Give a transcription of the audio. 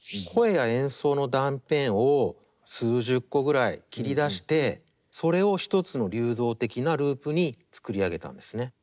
声や演奏の断片を数十個ぐらい切り出してそれを一つの流動的なループに作り上げたんですね。